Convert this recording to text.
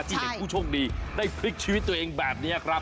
ที่เห็นผู้โชคดีได้พลิกชีวิตตัวเองแบบนี้ครับ